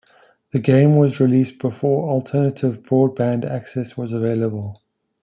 The game was released before alternative broadband access was available.